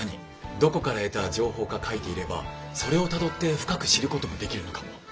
どこから得た情報か書いていればそれをたどって深く知ることもできるのかも。